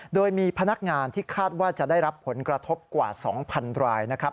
โดยมีพนักงานที่คาดว่าจะได้รับผลกระทบกว่า๒๐๐๐รายนะครับ